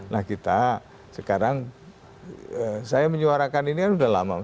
nah kita sekarang saya menyuarakan ini kan sudah lama